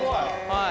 はい。